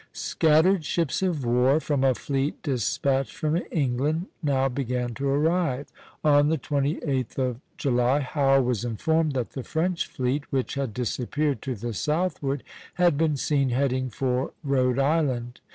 Scattered ships of war from a fleet despatched from England now began to arrive. On the 28th of July Howe was informed that the French fleet, which had disappeared to the southward, had been seen heading for Rhode Island.